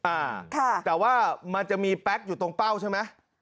อ่าค่ะแต่ว่ามันจะมีแป๊กอยู่ตรงเป้าใช่ไหม